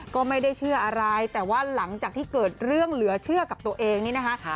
ก็ไม่ได้เชื่ออะไรแต่ว่าหลังจากที่เกิดเรื่องเหลือเชื่อกับตัวเองนี่นะคะ